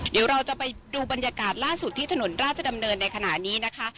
เดี๋ยวเราจะไปดูบรรยากาศล่าสุดที่ถนนราชดำเนินในขณะนี้นะคะ